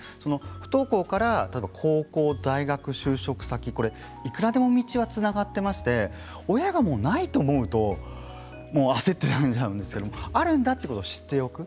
不登校から高校、大学、就職先いくらでも道がつながっていまして親がないと思うと焦ってしまうんですがあるんだということを知っておく。